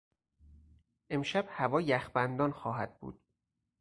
امشب هوا یخبندان خواهد بود.